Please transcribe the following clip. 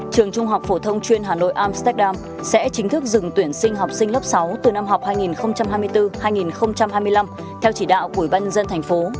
trường trung học phổ thông chuyên hà nội amsterdam sẽ chính thức dừng tuyển sinh học sinh lớp sáu từ năm học hai nghìn hai mươi bốn hai nghìn hai mươi năm theo chỉ đạo của bân dân tp